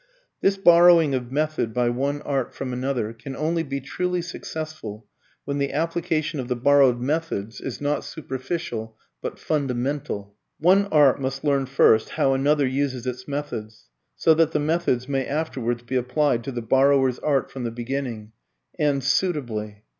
This borrowing of method by one art from another, can only be truly successful when the application of the borrowed methods is not superficial but fundamental. One art must learn first how another uses its methods, so that the methods may afterwards be applied to the borrower's art from the beginning, and suitably.